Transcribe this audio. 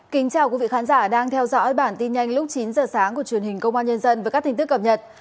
kính chào quý vị khán giả đang theo dõi bản tin nhanh lúc chín giờ sáng của truyền hình công an nhân dân với các tin tức cập nhật